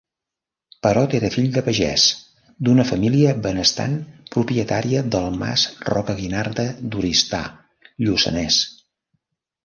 Perot era fill de pagès, d'una família benestant propietària del mas Rocaguinarda d'Oristà, Lluçanès.